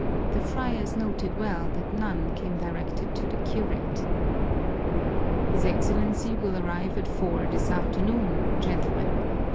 The friars noted well that none came directed to the curate. "His Excellency will arrive at four this afternoon, gentlemen!"